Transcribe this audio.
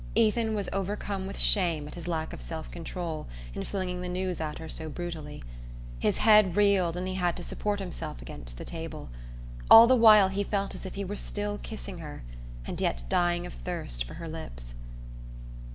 Ethan was overcome with shame at his lack of self control in flinging the news at her so brutally. His head reeled and he had to support himself against the table. All the while he felt as if he were still kissing her, and yet dying of thirst for her lips.